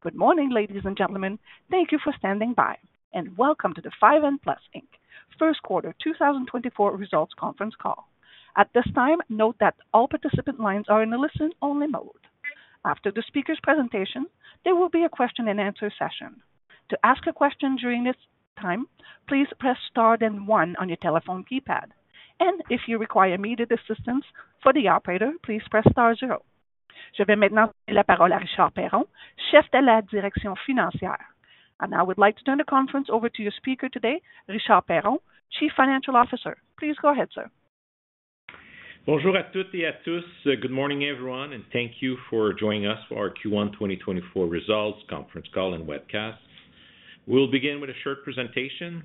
Good morning, ladies and gentlemen. Thank you for standing by, and welcome to the 5N Plus Inc. Q1 2024 results conference call. At this time, note that all participant lines are in a listen-only mode. After the speaker's presentation, there will be a question and answer session. To ask a question during this time, please press Star then one on your telephone keypad, and if you require immediate assistance for the operator, please press star zero. Je vais maintenant passer la parole à Richard Perron, chef de la direction financière. And I would like to turn the conference over to your speaker today, Richard Perron, Chief Financial Officer. Please go ahead, sir. Bonjour à toutes et à tous. Good morning, everyone, and thank you for joining us for our Q1 2024 results conference call and webcast. We'll begin with a short presentation,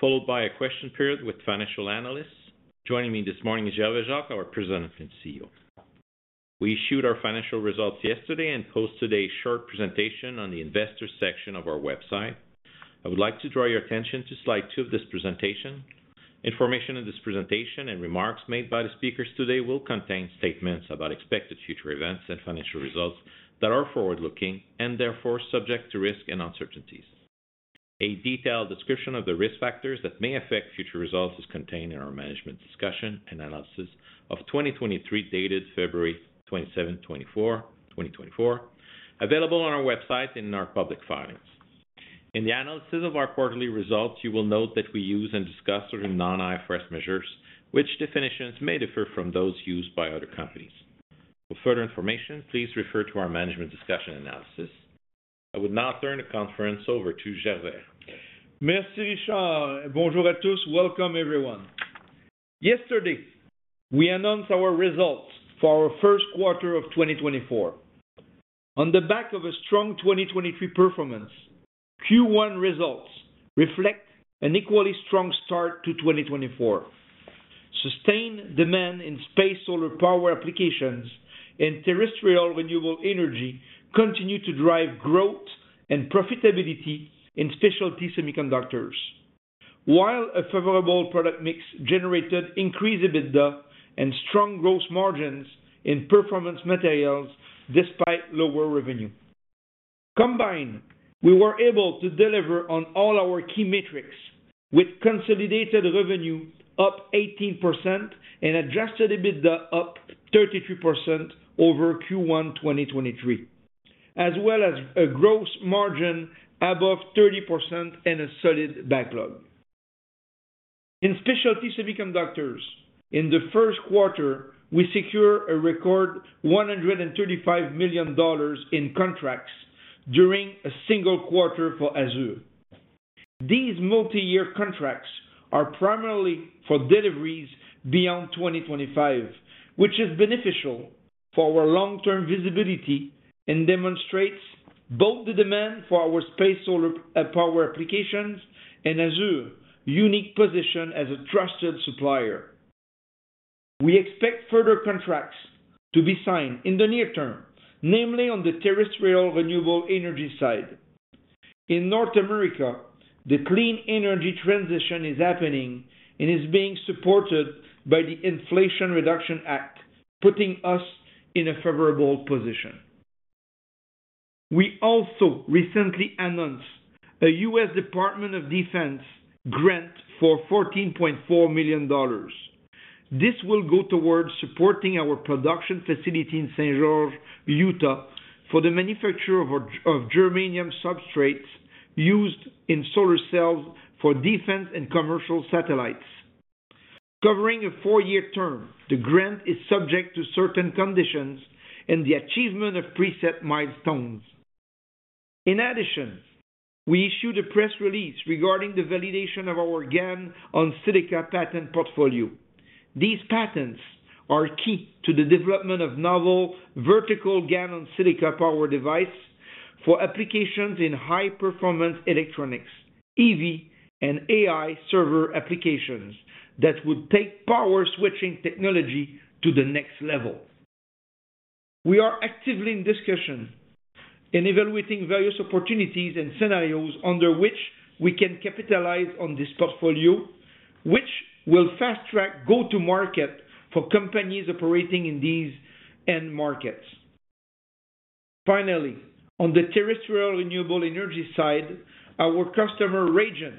followed by a question period with financial analysts. Joining me this morning is Gervais Jacques, our President and CEO. We issued our financial results yesterday and posted a short presentation on the investor section of our website. I would like to draw your attention to slide 2 of this presentation. Information in this presentation and remarks made by the speakers today will contain statements about expected future events and financial results that are forward-looking and therefore subject to risk and uncertainties. A detailed description of the risk factors that may affect future results is contained in our management discussion and analysis of 2023, dated February 27, 2024, available on our website in our public filings. In the analysis of our quarterly results, you will note that we use and discuss certain non-IFRS measures, which definitions may differ from those used by other companies. For further information, please refer to our management discussion analysis. I would now turn the conference over to Gervais. Merci, Richard. Bonjour à tous. Welcome, everyone. Yesterday, we announced our results for our Q1 of 2024. On the back of a strong 2023 performance, Q1 results reflect an equally strong start to 2024. Sustained demand in space solar power applications and terrestrial renewable energy continue to drive growth and profitability in specialty semiconductors, while a favorable product mix generated increased EBITDA and strong gross margins in performance materials despite lower revenue. Combined, we were able to deliver on all our key metrics, with consolidated revenue up 18% and adjusted EBITDA up 33% over Q1 2023, as well as a gross margin above 30% and a solid backlog. In specialty semiconductors, in the Q1, we secured a record $135 million in contracts during a single quarter for AZUR. These multi-year contracts are primarily for deliveries beyond 2025, which is beneficial for our long-term visibility and demonstrates both the demand for our space solar power applications and AZUR unique position as a trusted supplier. We expect further contracts to be signed in the near term, namely on the terrestrial renewable energy side. In North America, the clean energy transition is happening and is being supported by the Inflation Reduction Act, putting us in a favorable position. We also recently announced a US Department of Defense grant for $14.4 million. This will go towards supporting our production facility in St. George, Utah, for the manufacture of germanium substrates used in solar cells for defense and commercial satellites. Covering a four-year term, the grant is subject to certain conditions and the achievement of preset milestones. In addition, we issued a press release regarding the validation of our GaN-on-Silicon patent portfolio. These patents are key to the development of novel vertical GaN-on-Silicon power device for applications in high-performance electronics, EV, and AI server applications that would take power switching technology to the next level. We are actively in discussion and evaluating various opportunities and scenarios under which we can capitalize on this portfolio, which will fast-track go-to-market for companies operating in these end markets. Finally, on the terrestrial renewable energy side, our customer, RayGen,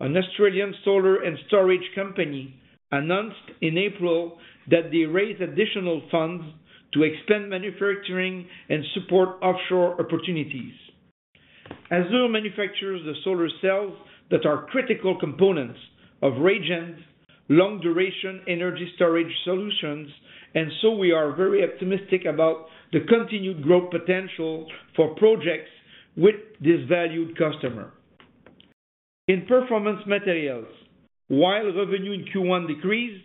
an Australian solar and storage company, announced in April that they raised additional funds to expand manufacturing and support offshore opportunities. Azure manufactures the solar cells that are critical components of RayGen's long-duration energy storage solutions, and so we are very optimistic about the continued growth potential for projects with this valued customer. In performance materials, while revenue in Q1 decreased,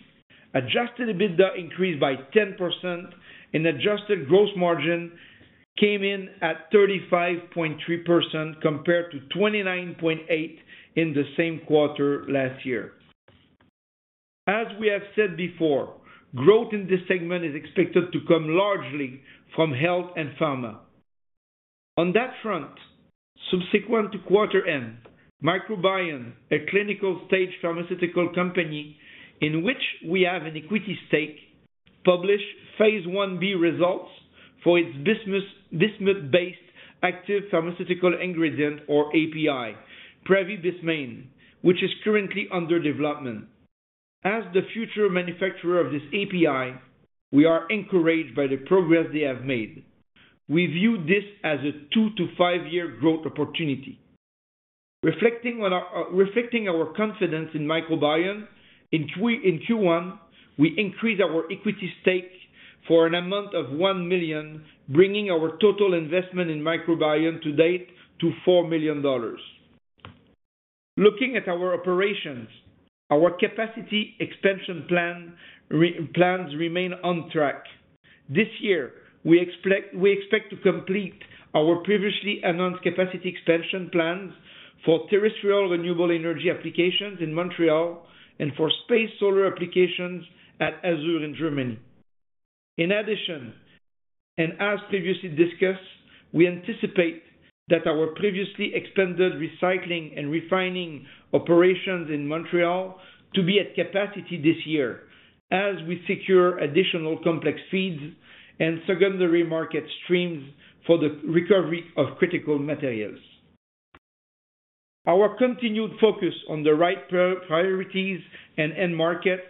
adjusted EBITDA increased by 10% and adjusted gross margin came in at 35.3%, compared to 29.8% in the same quarter last year. As we have said before, growth in this segment is expected to come largely from health and pharma. On that front, subs equent to quarter end, Microbion, a clinical stage pharmaceutical company in which we have an equity stake, published Phase 1b results for its bismuth, bismuth-based active pharmaceutical ingredient or API, Pravibismane, which is currently under development. As the future manufacturer of this API, we are encouraged by the progress they have made. We view this as a 2-5-year growth opportunity. Reflecting on our confidence in Microbion, in 2023, in Q1, we increased our equity stake for an amount of $1 million, bringing our total investment in Microbion to date to $4 million. Looking at our operations, our capacity expansion plans remain on track. This year, we expect to complete our previously announced capacity expansion plans for terrestrial renewable energy applications in Montreal and for space solar applications at Azure in Germany. In addition, and as previously discussed, we anticipate that our previously expanded recycling and refining operations in Montreal to be at capacity this year, as we secure additional complex feeds and secondary market streams for the recovery of critical materials. Our continued focus on the right priorities and end markets,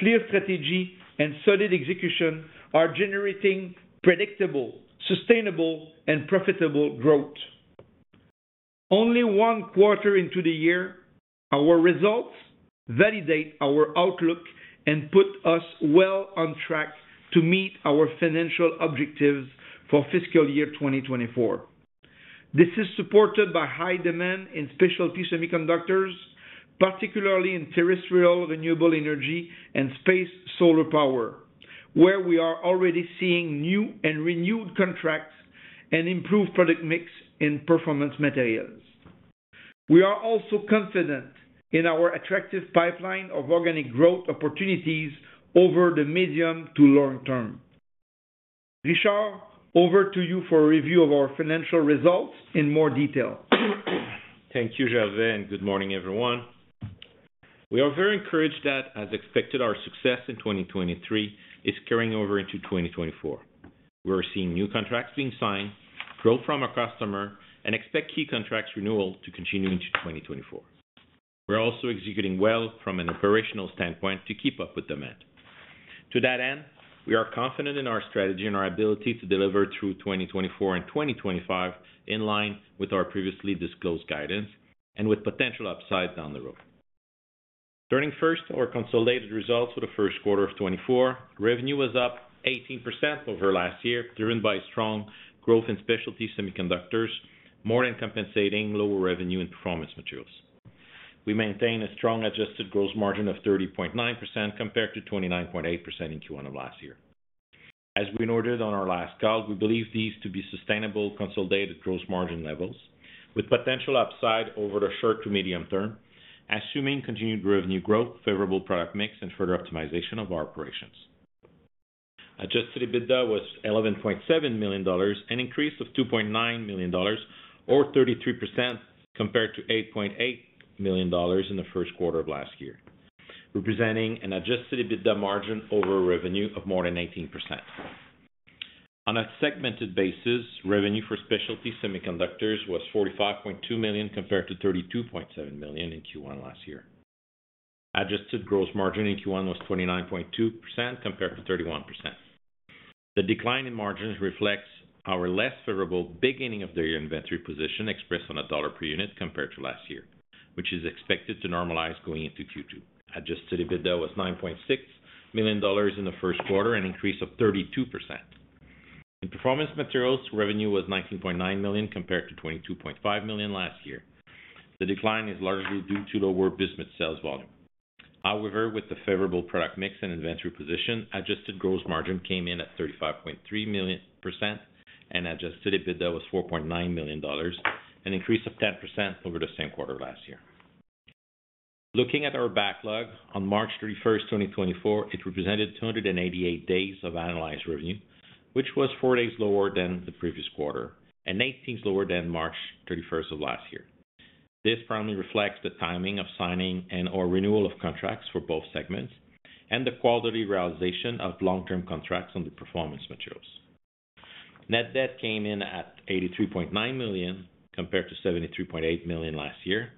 clear strategy, and solid execution are generating predictable, sustainable, and profitable growth. Only one quarter into the year, our results validate our outlook and put us well on track to meet our financial objectives for fiscal year 2024. This is supported by high demand in specialty semiconductors, particularly in terrestrial renewable energy, and space solar power, where we are already seeing new and renewed contracts and improved product mix in performance materials. We are also confident in our attractive pipeline of organic growth opportunities over the medium to long term. Richard, over to you for a review of our financial results in more detail. Thank you, Gervais, and good morning, everyone. We are very encouraged that, as expected, our success in 2023 is carrying over into 2024. We're seeing new contracts being signed, growth from our customer, and expect key contracts renewal to continue into 2024. We're also executing well from an operational standpoint to keep up with demand. To that end, we are confident in our strategy and our ability to deliver through 2024 and 2025, in line with our previously disclosed guidance and with potential upside down the road. Turning first to our consolidated results for the first quarter of 2024, revenue was up 18% over last year, driven by strong growth in specialty semiconductors, more than compensating lower revenue and performance materials. We maintain a strong adjusted gross margin of 30.9%, compared to 29.8% in Q1 of last year. As we noted on our last call, we believe these to be sustainable consolidated gross margin levels, with potential upside over the short to medium term, assuming continued revenue growth, favorable product mix, and further optimization of our operations. Adjusted EBITDA was $11.7 million, an increase of $2.9 million, or 33%, compared to $8.8 million in the Q1 of last year, representing an adjusted EBITDA margin over revenue of more than 18%. On a segmented basis, revenue for specialty semiconductors was $45.2 million compared to $32.7 million in Q1 last year. Adjusted gross margin in Q1 was 29.2% compared to 31%. The decline in margins reflects our less favorable beginning of the year inventory position expressed on a dollar per unit compared to last year, which is expected to normalize going into Q2. Adjusted EBITDA was $9.6 million in the Q1, an increase of 32%. In performance materials, revenue was $19.9 million compared to $22.5 million last year. The decline is largely due to lower bismuth sales volume. However, with the favorable product mix and inventory position, adjusted gross margin came in at 35.3%, and adjusted EBITDA was $4.9 million, an increase of 10% over the same quarter last year. Looking at our backlog on March 31, 2024, it represented 288 days of analyzed revenue, which was 4 days lower than the previous quarter and 18 lower than March 31 of last year. This primarily reflects the timing of signing and/or renewal of contracts for both segments and the quality realization of long-term contracts on the performance materials. Net debt came in at 83.9 million, compared to 73.8 million last year.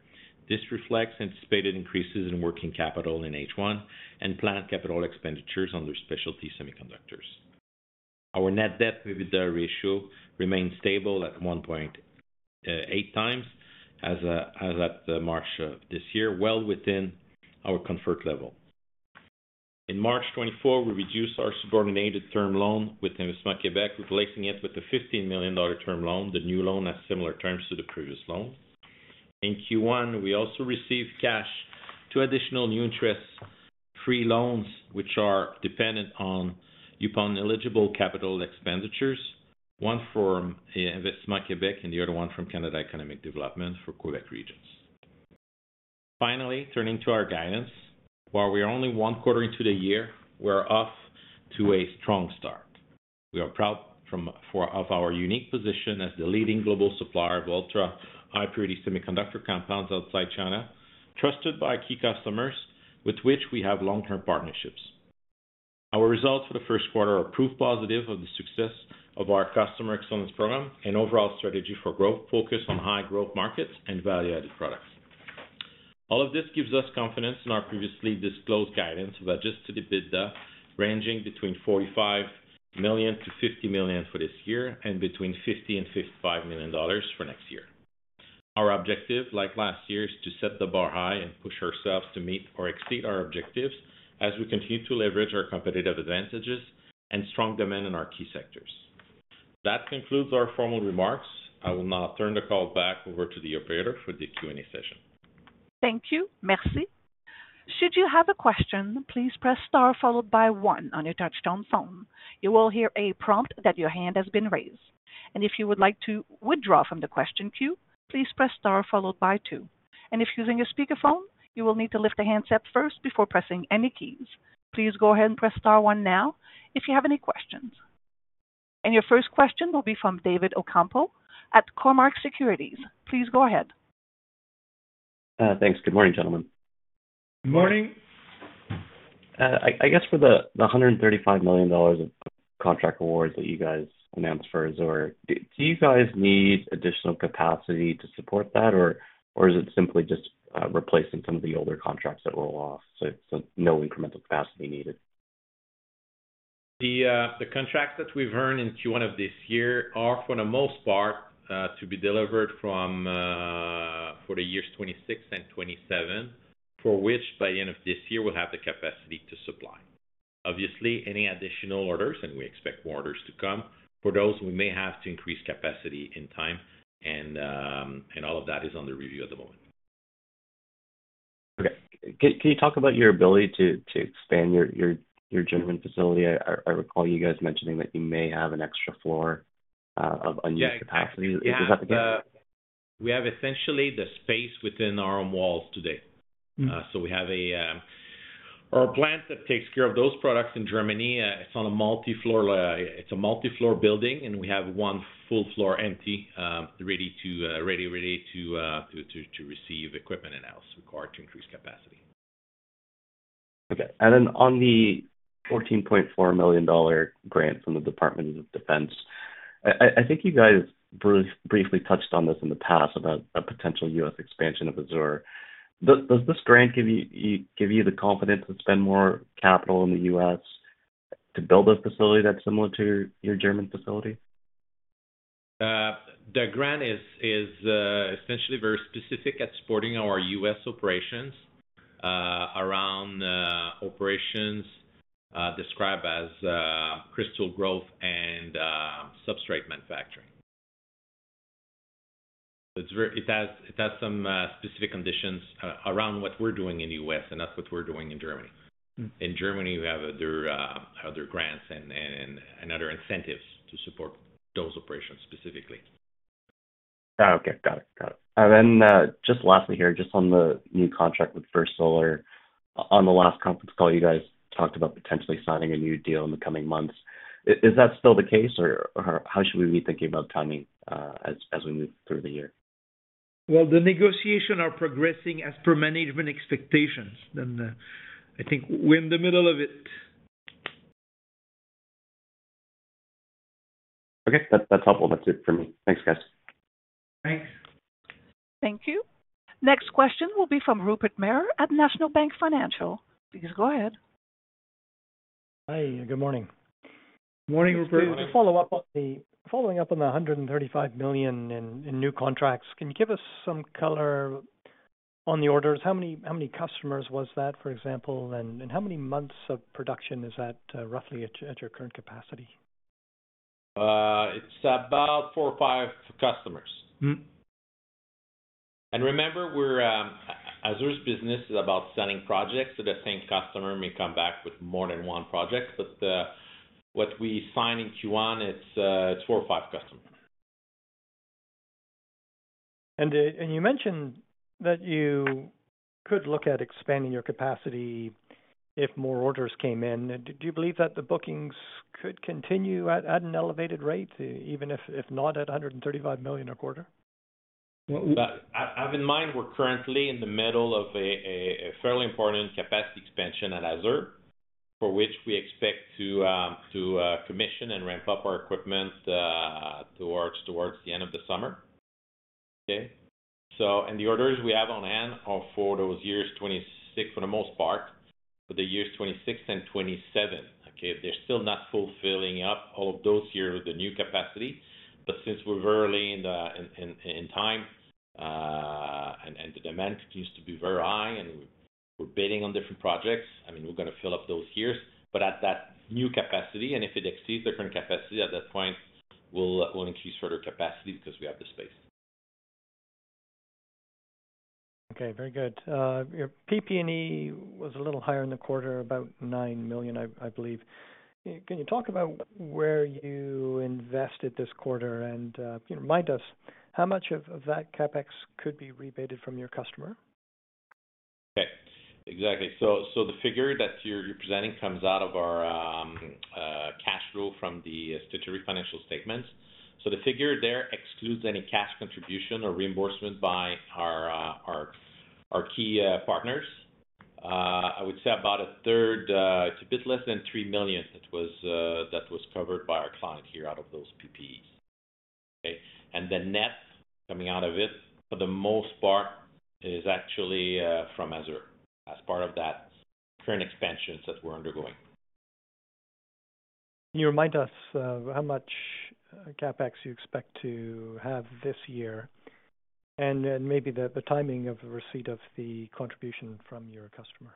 This reflects anticipated increases in working capital in H1 and planned capital expenditures under specialty semiconductors. Our net debt with the ratio remains stable at 1.8 times as at March of this year, well within our comfort level. In March 2024, we reduced our subordinated term loan with Investissement Québec, replacing it with a 15 million dollar term loan. The new loan has similar terms to the previous loan. In Q1, we also received cash, two additional new interest-free loans, which are dependent upon eligible capital expenditures, one from Investissement Québec and the other one from Canada Economic Development for Quebec Regions. Finally, turning to our guidance. While we are only one quarter into the year, we are off to a strong start. We are proud of our unique position as the leading global supplier of ultra high purity semiconductor compounds outside China, trusted by key customers with which we have long-term partnerships. Our results for the Q1 are proof positive of the success of our Customer Excellence Program and overall strategy for growth, focused on high growth markets and value-added products. All of this gives us confidence in our previously disclosed guidance of Adjusted EBITDA, ranging between $45 million-$50 million for this year and between $50 million and $55 million for next year. Our objective, like last year, is to set the bar high and push ourselves to meet or exceed our objectives as we continue to leverage our competitive advantages and strong demand in our key sectors. That concludes our formal remarks. I will now turn the call back over to the operator for the Q&A session. Thank you. Richard. Should you have a question, please press star followed by one on your touchtone phone. You will hear a prompt that your hand has been raised, and if you would like to withdraw from the question queue, please press star followed by two. And if using a speakerphone, you will need to lift the handset first before pressing any keys. Please go ahead and press star one now if you have any questions. And your first question will be from David Ocampo at Cormark Securities. Please go ahead. Thanks. Good morning, gentlemen. Good morning. I guess for the $135 million of contract awards that you guys announced for Azure, do you guys need additional capacity to support that, or is it simply just replacing some of the older contracts that roll off, so no incremental capacity needed? The contracts that we've earned in Q1 of this year are, for the most part, to be delivered from for the years 2026 and 2027, for which by the end of this year, we'll have the capacity to supply. Obviously, any additional orders, and we expect more orders to come, for those, we may have to increase capacity in time, and all of that is under review at the moment. Okay. Can you talk about your ability to expand your German facility? I recall you guys mentioning that you may have an extra floor of unused capacity. Yeah. Is that the case? We have essentially the space within our own walls today. Mm-hmm. So we have our plant that takes care of those products in Germany. It's a multi-floor building, and we have one full floor empty, ready to receive equipment and else required to increase capacity. Okay. And then on the $14.4 million grant from the Department of Defense, I think you guys briefly touched on this in the past about a potential U.S. expansion of Azure. Does this grant give you the confidence to spend more capital in the U.S. to build a facility that's similar to your German facility? The grant is essentially very specific at supporting our U.S. operations around operations described as crystal growth and substrate manufacturing. It's very. It has some specific conditions around what we're doing in the U.S., and that's what we're doing in Germany. Mm. In Germany, we have other grants and other incentives to support those operations specifically. Oh, okay. Got it. Got it. And then, just lastly here, just on the new contract with First Solar. On the last conference call, you guys talked about potentially signing a new deal in the coming months. Is that still the case, or how should we be thinking about timing, as we move through the year? Well, the negotiation are progressing as per management expectations, and, I think we're in the middle of it. Okay. That, that's helpful. That's it for me. Thanks, guys. Thanks. Thank you. Next question will be from Rupert Merer at National Bank Financial. Please go ahead. Hi, good morning. Morning, Rupert. Good morning. Just to follow up on the 135 million in new contracts, can you give us some color on the orders? How many customers was that, for example, and how many months of production is that, roughly at your current capacity? It's about 4 or 5 customers. Mm-hmm. And remember, we're Azure's business is about selling projects, so the same customer may come back with more than one project. But what we sign in Q1, it's four or five customers. You mentioned that you could look at expanding your capacity if more orders came in. Do you believe that the bookings could continue at an elevated rate, even if not at $135 million a quarter? Well, have in mind, we're currently in the middle of a fairly important capacity expansion at Azure, for which we expect to commission and ramp up our equipment towards the end of the summer. Okay? So, and the orders we have on hand are for those years 2026, for the most part, for the years 2026 and 2027. Okay. They're still not fulfilling up all of those years with the new capacity, but since we're very early in the time, and the demand continues to be very high, and we're bidding on different projects, I mean, we're going to fill up those years. But at that new capacity, and if it exceeds the current capacity, at that point, we'll increase further capacity because we have the space. Okay, very good. Your PP&E was a little higher in the quarter, about 9 million, I believe. ... Can you talk about where you invested this quarter? And, remind us, how much of, of that CapEx could be rebated from your customer? Okay, exactly. So the figure that you're presenting comes out of our cash flow from the statutory financial statements. So the figure there excludes any cash contribution or reimbursement by our key partners. I would say about a third, it's a bit less than 3 million. It was that was covered by our client here out of those PPEs, okay? And the net coming out of it, for the most part, is actually from Azure, as part of that current expansions that we're undergoing. Can you remind us of how much CapEx you expect to have this year, and then maybe the timing of the receipt of the contribution from your customer?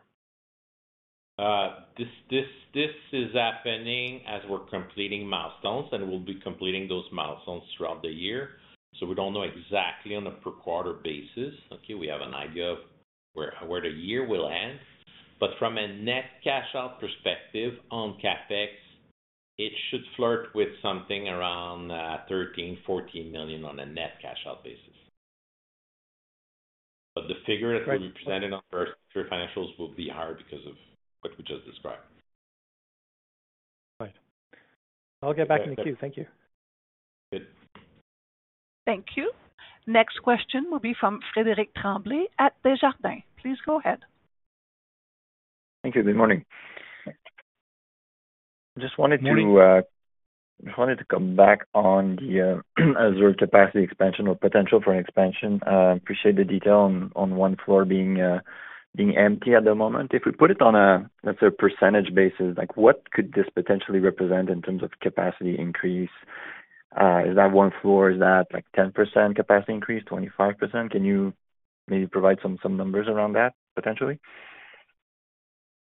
This is happening as we're completing milestones, and we'll be completing those milestones throughout the year, so we don't know exactly on a per quarter basis. Okay, we have an idea of where the year will end, but from a net cash out perspective on CapEx, it should flirt with something around $13 million-$14 million on a net cash out basis. But the figure that we presented on our financials will be hard because of what we just described. Right. I'll get back in the queue. Thank you. Good. Thank you. Next question will be from Frédéric Tremblay at Desjardins. Please go ahead. Thank you. Good morning. Just wanted to- Morning. Just wanted to come back on the Azure capacity expansion or potential for an expansion. Appreciate the detail on, on one floor being empty at the moment. If we put it on a, let's say, a percentage basis, like, what could this potentially represent in terms of capacity increase? Is that one floor, is that, like, 10% capacity increase, 25%? Can you maybe provide some, some numbers around that, potentially?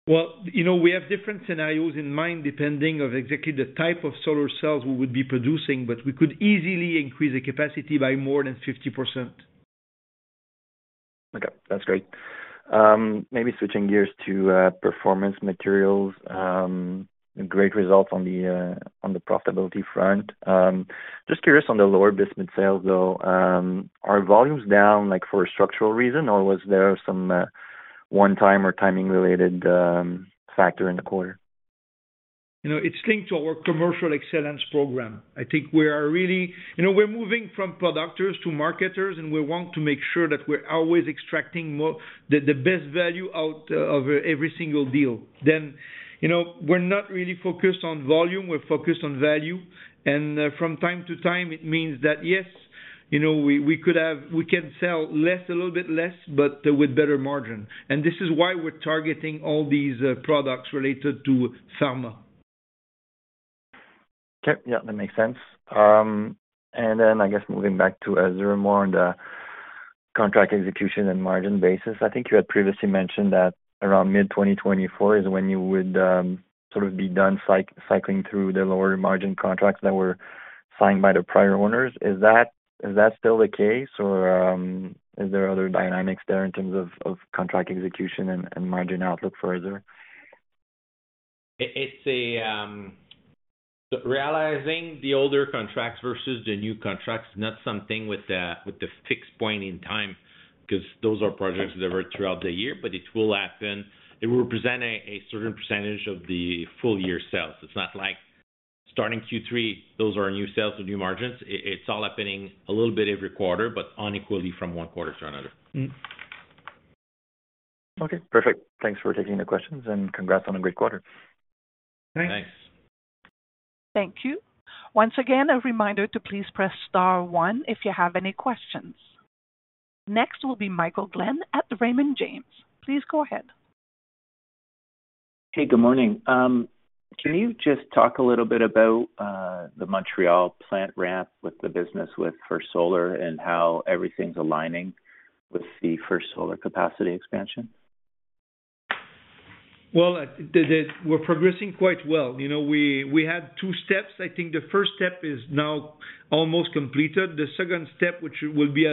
Well, you know, we have different scenarios in mind, depending of exactly the type of solar cells we would be producing, but we could easily increase the capacity by more than 50%. Okay, that's great. Maybe switching gears to performance materials. Great result on the profitability front. Just curious on the lower bismuth sales, though. Are volumes down, like, for a structural reason, or was there some one-time or timing-related factor in the quarter? You know, it's linked to our commercial excellence program. I think we are really. You know, we're moving from producers to marketers, and we want to make sure that we're always extracting more, the best value out of every single deal. Then, you know, we're not really focused on volume, we're focused on value, and from time to time, it means that, yes, you know, we can sell less, a little bit less, but with better margin. And this is why we're targeting all these products related to pharma. Okay. Yeah, that makes sense. And then I guess moving back to Azure more on the contract execution and margin basis. I think you had previously mentioned that around mid-2024 is when you would sort of be done cycling through the lower margin contracts that were signed by the prior owners. Is that still the case, or is there other dynamics there in terms of contract execution and margin outlook for Azure? Realizing the older contracts versus the new contracts is not something with a fixed point in time, because those are projects delivered throughout the year, but it will happen. It will represent a certain percentage of the full year sales. It's not like starting Q3, those are our new sales or new margins. It's all happening a little bit every quarter, but unequally from one quarter to another. Mm. Okay, perfect. Thanks for taking the questions, and congrats on a great quarter. Thanks. Thank you. Once again, a reminder to please press star one if you have any questions. Next will be Michael Glen at the Raymond James. Please go ahead. Hey, good morning. Can you just talk a little bit about the Montreal plant ramp with the business with First Solar, and how everything's aligning with the First Solar capacity expansion? Well, we're progressing quite well. You know, we had two steps. I think the first step is now almost completed. The second step, which will be,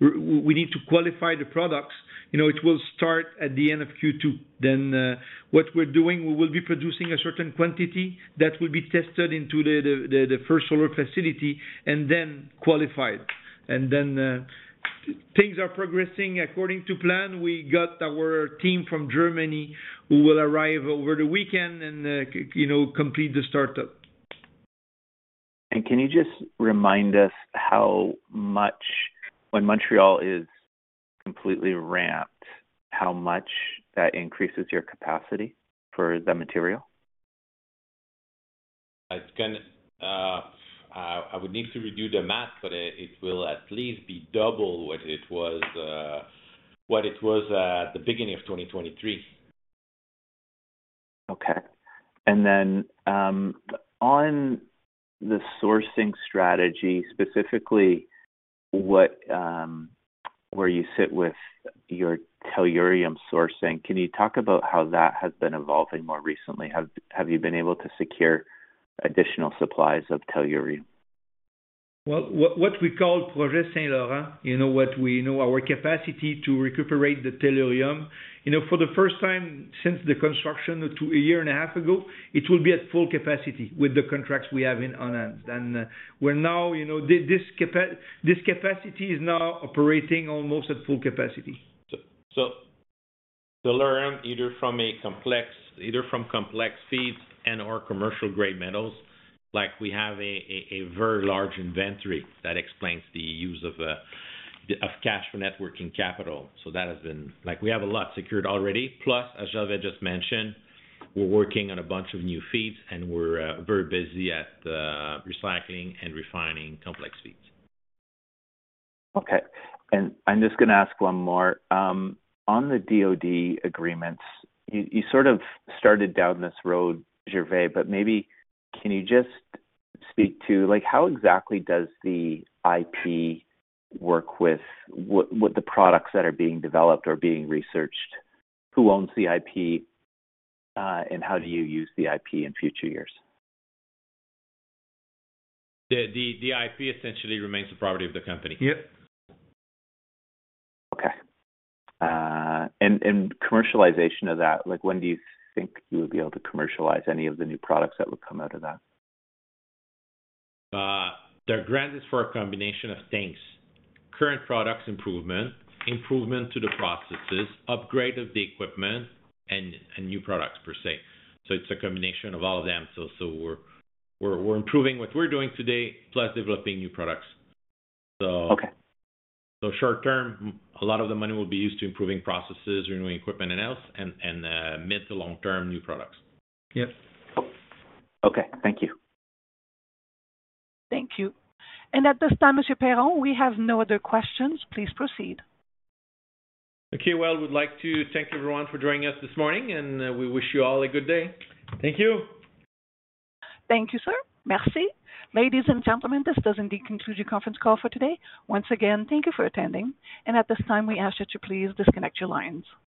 we need to qualify the products. You know, it will start at the end of Q2. Then, what we're doing, we will be producing a certain quantity that will be tested into the First Solar facility and then qualified. And then, things are progressing according to plan. We got our team from Germany who will arrive over the weekend and, you know, complete the startup. Can you just remind us how much, when Montreal is completely ramped, how much that increases your capacity for the material? It's gonna. I would need to redo the math, but it will at least be double what it was, what it was at the beginning of 2023. Okay. And then, on the sourcing strategy, specifically, where you sit with your tellurium sourcing, can you talk about how that has been evolving more recently? Have you been able to secure additional supplies of tellurium?... Well, what we call Project Saint-Laurent, you know, what we know our capacity to recuperate the tellurium, you know, for the first time since the construction to a year and a half ago, it will be at full capacity with the contracts we have in hand. And we're now, you know, this capacity is now operating almost at full capacity. So to learn either from complex feeds or commercial-grade metals, like, we have a very large inventory that explains the use of cash for net working capital. So that has been... Like, we have a lot secured already. Plus, as Gervais just mentioned, we're working on a bunch of new feeds, and we're very busy at recycling and refining complex feeds. Okay. And I'm just gonna ask one more. On the DoD agreements, you sort of started down this road, Gervais, but maybe can you just speak to, like, how exactly does the IP work with what the products that are being developed or being researched? Who owns the IP, and how do you use the IP in future years? The IP essentially remains the property of the company. Yep. Okay. And commercialization of that, like, when do you think you will be able to commercialize any of the new products that would come out of that? The grant is for a combination of things: current products improvement, improvement to the processes, upgrade of the equipment, and new products per se. So it's a combination of all of them. So we're improving what we're doing today, plus developing new products. So- Okay. So, short term, a lot of the money will be used to improving processes, renewing equipment, and else, mid- to long-term, new products. Yep. Okay. Thank you. Thank you. At this time, Monsieur Perron, we have no other questions. Please proceed. Okay. Well, I would like to thank everyone for joining us this morning, and we wish you all a good day. Thank you! Thank you, sir. Richard. Ladies and gentlemen, this does indeed conclude your conference call for today. Once again, thank you for attending, and at this time, we ask you to please disconnect your lines.